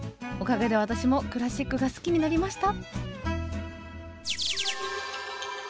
おかげで私もクラシックが好きになりました。